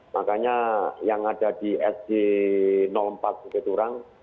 makanya yang ada di sg empat di turang